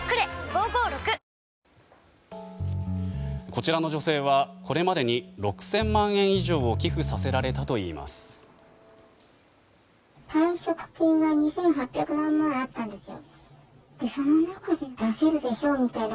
こちらの女性はこれまでに６０００万円以上を寄付させられたといいます。